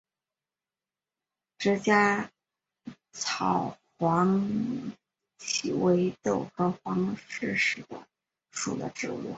直荚草黄耆为豆科黄芪属的植物。